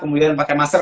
kemudian pakai masker